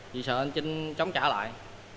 vì sợ anh trinh chống trả lại